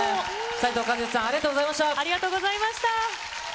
斉藤和義さん、ありがとうごありがとうございました。